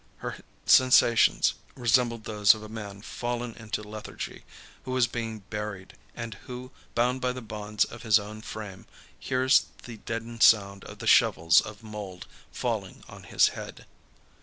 Her sensations resembled those of a man fallen into lethargy, who is being buried, and who, bound by the bonds of his own frame, hears the deadened sound of the shovels of mould falling on his head.